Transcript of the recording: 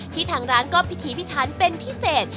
ทางร้านก็พิธีพิทันเป็นพิเศษ